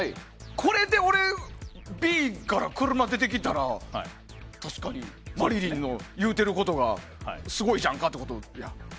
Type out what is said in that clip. これで俺、Ｂから車出てきたら確かにマリリンの言うてることがすごいじゃんかってことやんか。